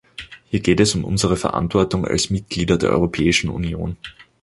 Hier geht es um unsere Verantwortung als Mitglieder der Europäischen Union.